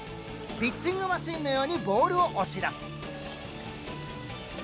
ピッチングマシンのようにボールを押し出す！